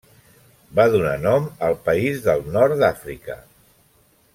Va donar nom al país del nord d'Àfrica.